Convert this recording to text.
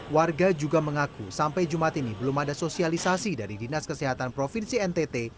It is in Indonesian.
warga juga mengaku sampai jumat ini belum ada sosialisasi dari dinas kesehatan provinsi ntt